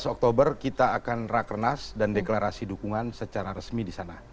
dua belas oktober kita akan rakernas dan deklarasi dukungan secara resmi di sana